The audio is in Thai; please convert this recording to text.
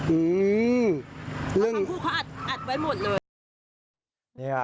อือเรื่องคู่เขาอัดไว้หมดเลย